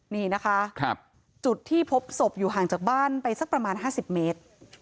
นี่นะคะจุดที่พบศพอยู่ห่างจากบ้านไปสักประมาณ๕๐เมตร